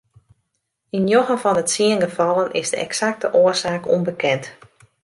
Yn njoggen fan de tsien gefallen is de eksakte oarsaak ûnbekend.